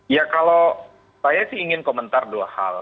ya kalau saya sih ingin komentar dua hal